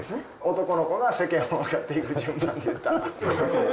男の子が世間を分かっていく順番って言ったらそう。